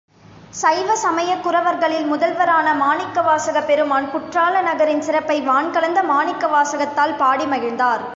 சைவ சமய குரவர்களில் முதல்வரான மணிவாசகப் பெருமான் குற்றால நகரின் சிறப்பை வான்கலந்த மாணிக்கவாசகத்தால் பாடி மகிழ்ந்தார்.